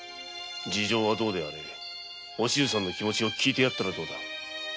事情はどうであれお静さんの気持ちを聞いてやったらどうだ。